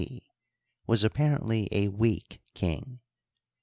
C, was apparently a weak king.